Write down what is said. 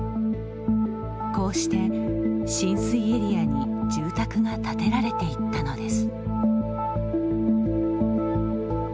こうして浸水エリアに住宅が建てられていったのです。